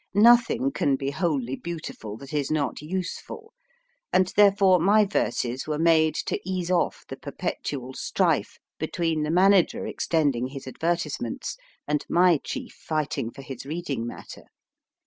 Nothing can be wholly beautiful that is not useful, and therefore my verses were made to ease off the perpetual strife between the manager extending his advertisements and my chief fighting for his reading matter.